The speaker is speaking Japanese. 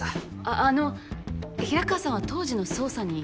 あっあの平川さんは当時の捜査に。